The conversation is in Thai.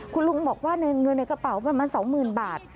คุณลุงบอกว่าในเงินในกระเป๋าประมาณ๒๐๐๐บาท